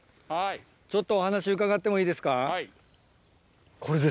ちょっとお話伺ってもいいですか。